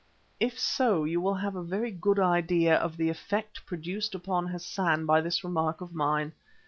If so, you will have a very good idea of the effect produced upon Hassan by this remark of mine.